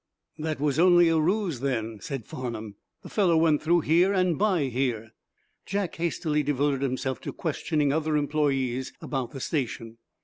"That was only a ruse, then," said Farnum. "The fellow went through here, and by here." Jack hastily devoted himself to questioning other employes about the station.